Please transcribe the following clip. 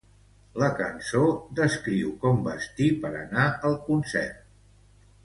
La cançó descriu com vestix per anar al concert.